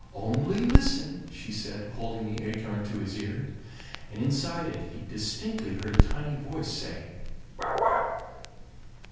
"Only listen," she said, holding the acorn to his ear. And inside it he distinctly heard a tiny voice say: "Bow wow!"